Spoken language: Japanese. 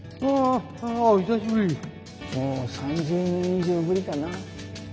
もう３０年以上ぶりかな？